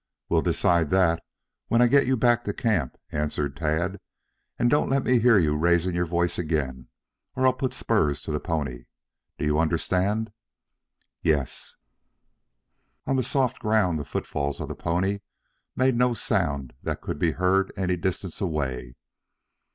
"We'll decide that when I get you back to camp," answered Tad. "And don't let me hear you raising your voice again or I'll put spurs to the pony. Do you understand?" "Y y y e s." On the soft ground the footfalls of the pony made no sound that could be heard any distance away.